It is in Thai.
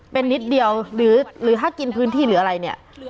เป็นนิดเดียวหรือถ้ากินพื้นที่หรืออะไรเนี่ย